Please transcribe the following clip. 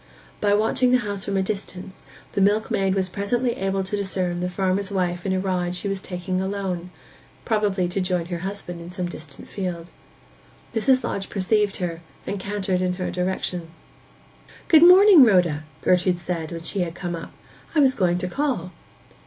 By watching the house from a distance the milkmaid was presently able to discern the farmer's wife in a ride she was taking alone—probably to join her husband in some distant field. Mrs. Lodge perceived her, and cantered in her direction. 'Good morning, Rhoda!' Gertrude said, when she had come up. 'I was going to call.